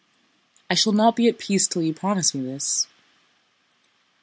"I shall not be at peace till you promise me this."